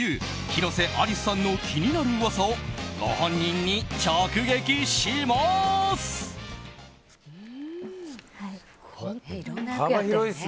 広瀬アリスさんの気になる噂をご本人に直撃します。